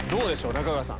中川さん